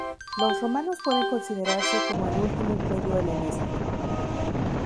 Los romanos pueden considerarse como el último imperio helenístico.